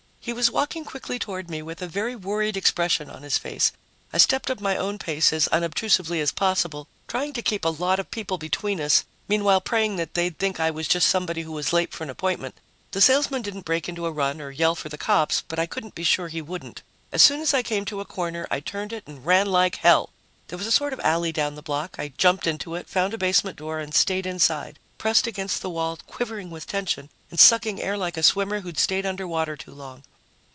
He was walking quickly toward me with a very worried expression on his face. I stepped up my own pace as unobtrusively as possible, trying to keep a lot of people between us, meanwhile praying that they'd think I was just somebody who was late for an appointment. The salesman didn't break into a run or yell for the cops, but I couldn't be sure he wouldn't. As soon as I came to a corner, I turned it and ran like hell. There was a sort of alley down the block. I jumped into it, found a basement door and stayed inside, pressed against the wall, quivering with tension and sucking air like a swimmer who'd stayed underwater too long.